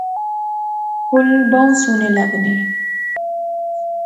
پُھل بہوں سونے لغنے